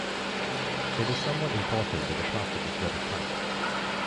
It is somewhat important that the plastic is rather tight.